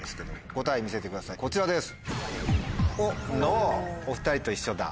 答え見せてくださいこちらです。